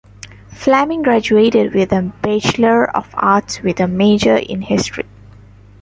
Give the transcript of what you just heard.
Fleming graduated with a bachelor of arts with a major in history.